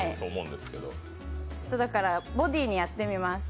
ちょっとボディーにやってみます。